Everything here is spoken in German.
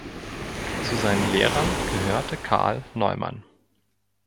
Zu seinen Lehrern gehörte Carl Neumann.